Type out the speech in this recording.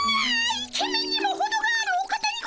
イケメンにもほどがあるお方にございます！